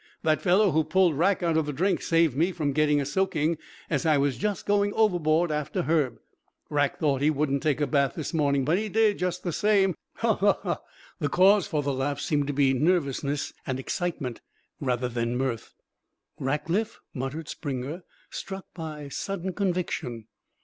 That fellow who pulled Rack out of the drink saved me from getting a soaking, as I was just going overboard after Herb. Rack thought he wouldn't take a bath this morning, but he did, just the same. Ho! ho! ho!" The cause for the laugh seemed to be nervousness and excitement rather than mirth. "Rackliff!" muttered Springer, struck by sudden conviction.